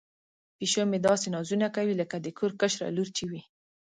پیشو مې داسې نازونه کوي لکه د کور کشره لور چې وي.